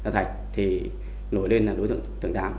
thì nổi lên là đối tượng tám